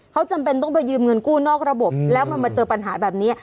เขาจำเป็นต้องไปยืมเงินกู้นอกระบบแล้วมันมาเจอปัญหาแบบนี้